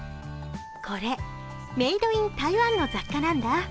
これ、メイドイン台湾の雑貨なんだ